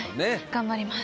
頑張ります。